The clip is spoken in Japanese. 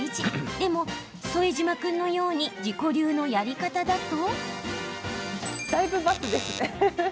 でも、副島君のように自己流のやり方だと。